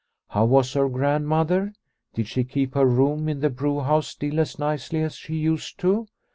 How was her grandmother ? Did she keep her room in the brewhouse still as nicely as she used to